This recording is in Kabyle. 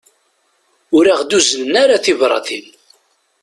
Ur aɣ-d-uznen ara tibratin.